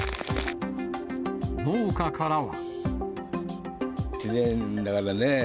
農家からは。